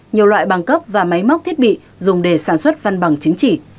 nhiều loại bằng cấp và máy móc thiết bị dùng để sản xuất văn bằng chứng chỉ